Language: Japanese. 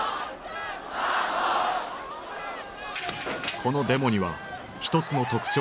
このデモには一つの特徴があった。